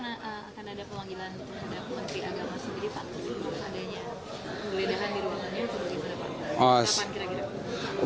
beledahan di rumahnya atau di depan